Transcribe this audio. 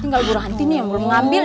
tinggal bu lanti nih yang belum ngambil